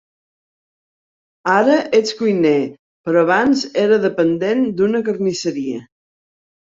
Ara ets cuiner, però abans era dependent d'una carnisseria.